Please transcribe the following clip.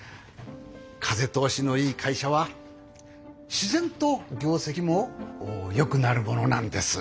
風通しのいい会社は自然と業績もよくなるものなんです。